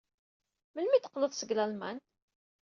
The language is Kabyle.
Melmi ay d-teqqleḍ seg Lalman?